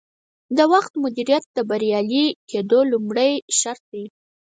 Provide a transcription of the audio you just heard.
د وخت مدیریت د بریالي کیدو لومړنی شرط دی.